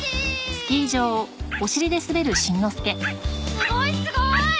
すごいすごい！